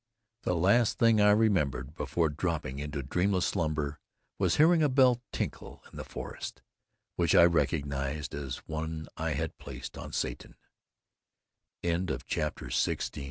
The last thing I remembered before dropping into dreamless slumber was hearing a bell tinkle in the forest, which I recognized as the one I had placed on Satan.